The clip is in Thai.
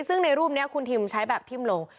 ซึ่งในรูปนี้คุณทิมใช้แบบทิ้มลง